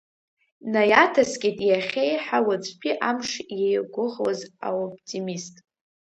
Наиаҭаскит иахьеиҳа уаҵәтәи амш иеигәыӷуаз аоптимист.